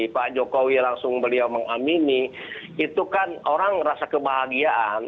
pak jokowi langsung beliau mengamini itu kan orang merasa kebahagiaan